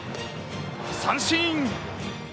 三振！